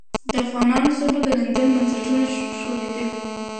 د افغانانو سوبه د لندن بنسټونه ښورولې.